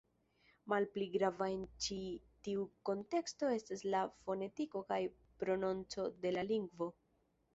Malpli grava en ĉi tiu kunteksto estas la fonetiko kaj prononco de la lingvo.